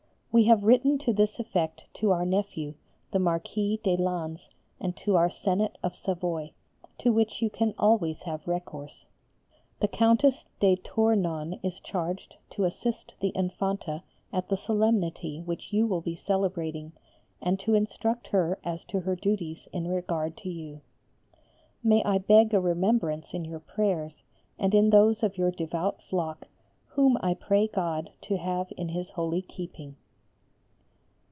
We have written to this effect to our nephew the Marquis de Lans and to our Senate of Savoy, to which you can always have recourse. The Countess de Tournon is charged to assist the Infanta at the solemnity which you will be celebrating and to instruct her as to her duties in regard to you. May I beg a remembrance in your prayers and in those of your devout flock, whom I pray God to have in His holy keeping.